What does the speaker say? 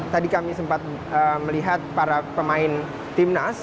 tadi kami sempat melihat para pemain timnas